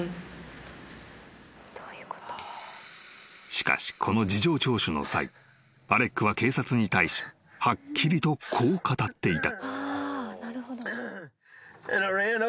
［しかしこの事情聴取の際アレックは警察に対しはっきりとこう語っていた］